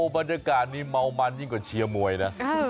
บรรยากาศนี้เมามันยิ่งกว่าเชียร์มวยนะ